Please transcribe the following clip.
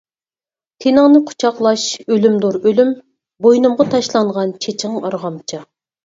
تېنىڭنى قۇچاقلاش ئۆلۈمدۇر ئۆلۈم، بوينۇمغا تاشلانغان چېچىڭ ئارغامچا.